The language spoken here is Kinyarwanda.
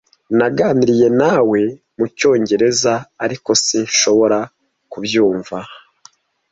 Naganiriye nawe mu Cyongereza, ariko sinshobora kubyumva.